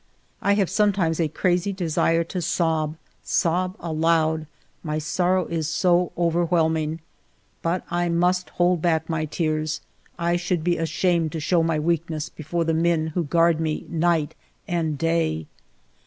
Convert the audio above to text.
I have some times a crazy desire to sob, sob aloud, my sorrow is so overwhelming ; but I must hold back my tears. I should be ashamed to show my weak ness before the men who guard me night and day.